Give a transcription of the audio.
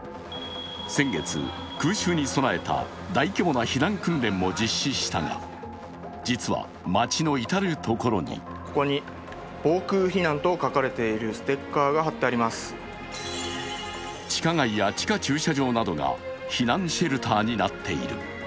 先月、空襲に備えた大規模な避難訓練も実施したが実は街の至る所に地下街や地下駐車場などが避難シェルターになっている。